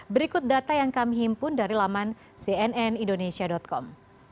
berikut data yang kami himpun dari laman cnnindonesia com